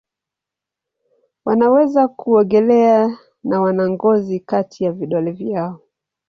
Wanaweza kuogelea na wana ngozi kati ya vidole vyao.